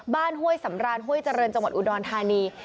ห้วยสำรานห้วยเจริญจังหวัดอุดรธานี